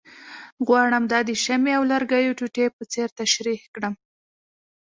غواړم دا د شمعې او لرګیو ټوټې په څېر تشریح کړم،